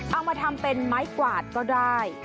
เอามาทำเป็นไม้กวาดก็ได้